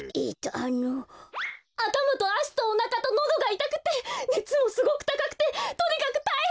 あたまとあしとおなかとのどがいたくてねつもすごくたかくてとにかくたいへんなんです！